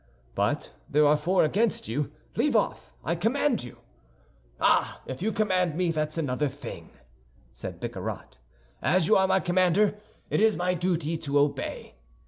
"But there are four against you; leave off, I command you." "Ah, if you command me, that's another thing," said Bicarat. "As you are my commander, it is my duty to obey."